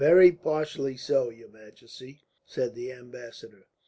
"Very partially so, your majesty," said the ambassador.